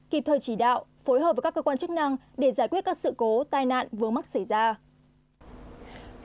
kịp thời chỉ đạo phối hợp với các cơ quan chức năng để giải quyết các sự cố tai nạn vừa mắc xảy ra